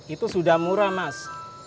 itu sudah murah mas